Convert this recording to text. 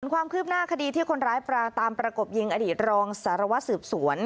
ความคืบหน้าคดีที่คนร้ายปราตามประกบยิงอดีตรองสารวัตรสืบสวน